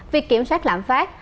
việc kiểm soát lãng phát